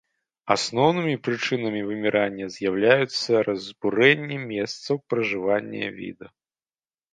Асноўнымі прычынамі вымірання з'яўляюцца разбурэнне месцаў пражывання віду.